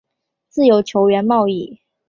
自由球员交易